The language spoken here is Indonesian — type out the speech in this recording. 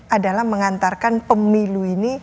adalah mengantarkan pemilu ini